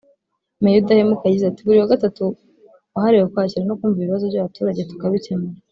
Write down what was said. Meya Udahemuka yagize ati “Buri wa gatatu wahariwe kwakira no kumva ibibazo by’abaturage tukabikemura